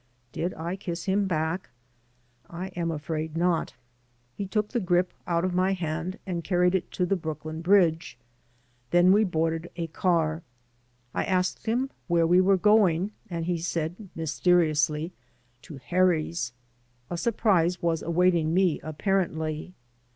Did I kiss him back? I am afraid not. He took the grip out of my hand and carried it to the Brooklyn Bridge. Then we boarded a car. I asked him where we were going, and he said, mysteriously, "To Harry's." A surprise was awaiting me, apparently.